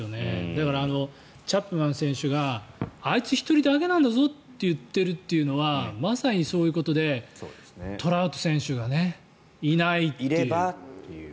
だからチャップマン選手があいつ１人だけなんだぞと言っているのはまさにそういうことでトラウト選手がいないっていう。